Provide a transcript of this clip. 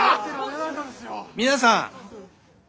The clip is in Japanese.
皆さん。